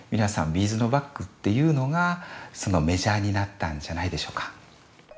ビーズのバッグっていうのがメジャーになったんじゃないでしょうか。